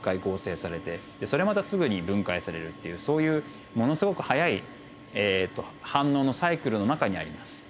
それまたすぐに分解されるっていうそういうものすごく速い反応のサイクルの中にあります。